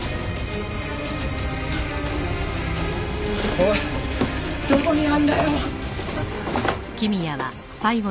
おいどこにあるんだよ！